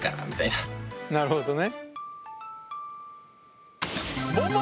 なるほどね。